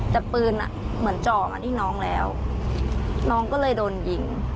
แต่ปืนอ่ะเหมือนจ่อมาที่น้องแล้วน้องก็เลยโดนยิง